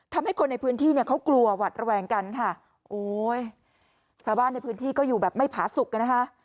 ทำให้คนในพื้นที่เนี่ยเขากลัวหวัดระแวงกันค่ะโอ้ยชาวบ้านในพื้นที่ก็อยู่แบบไม่ผาสุกกันนะคะ